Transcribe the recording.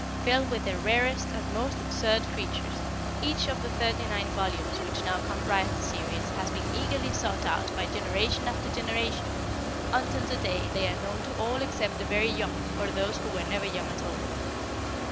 Filled with the rarest and most absurd creatures, each of the 39 volumes which now comprise the series, has been eagerly sought out by generation after generation until today they are known to all except the very young or those who were never young at all.